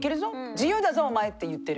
自由だぞお前！って言ってる。